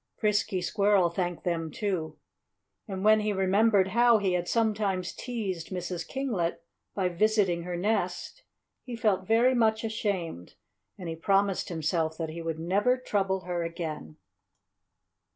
Frisky Squirrel thanked them, too. And when he remembered how he had sometimes teased Mrs. Kinglet by visiting her nest he felt very much ashamed, and he promised himself that he would never trouble her again.